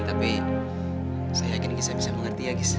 tapi saya yakin kisah bisa mengerti ya kisah